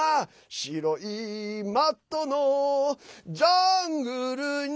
「白いマットのジャングルに」